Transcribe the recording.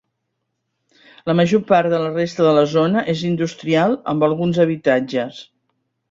La major part de la resta de la zona és industrial, amb alguns habitatges.